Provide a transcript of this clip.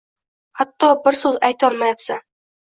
Xatto bir suz aytolmayabsan